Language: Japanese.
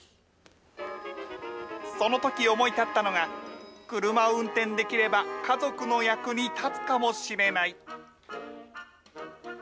そのとき思い立ったのが、車を運転できれば家族の役に立つかもしれない。